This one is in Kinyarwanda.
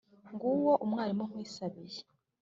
Nguwo umwalimu nkwisabiye: